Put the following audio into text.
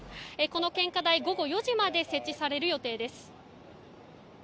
この献花台、午後４時まで設置される予定です。